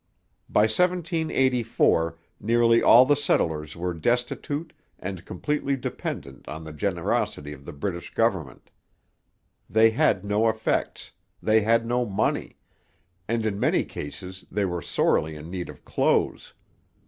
By 1784 nearly all the settlers were destitute and completely dependent on the generosity of the British government. They had no effects; they had no money; and in many cases they were sorely in need of clothes.